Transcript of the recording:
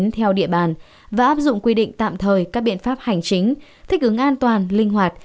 theo địa bàn và áp dụng quy định tạm thời các biện pháp hành chính thích ứng an toàn linh hoạt